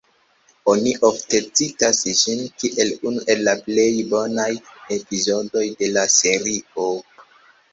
Oni ofte citas ĝin kiel unu el la plej bonaj epizodoj de la serio.